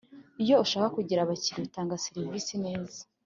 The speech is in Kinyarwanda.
iyo ushaka kugira abakiriya utanga serivisi neza